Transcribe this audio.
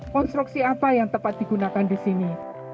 konstruksi apa yang tepat digunakan di sini